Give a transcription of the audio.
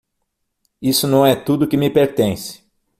Isso não é tudo que me pertence.